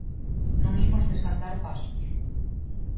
Non imos desandar pasos.